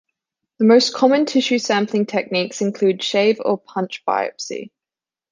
The most common tissue sampling techniques include shave or punch biopsy.